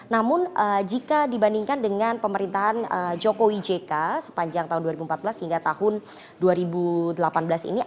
namun jika dibandingkan dengan pemerintahan jokowi jk sepanjang tahun dua ribu empat belas hingga tahun dua ribu delapan belas ini